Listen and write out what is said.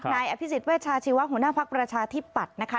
นายอภิษฎเวชาชีวะหัวหน้าภักดิ์ประชาธิปัตย์นะคะ